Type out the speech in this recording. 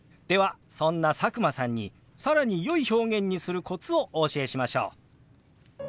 そんな佐久間さんに更によい表現にするコツをお教えしましょう。